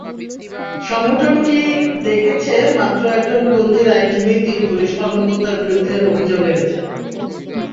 সংগঠনটি দেখেছে, মাত্র একজন বন্দীর আইনজীবী তিন পুলিশ কর্মকর্তার বিরুদ্ধে অভিযোগ এনেছেন।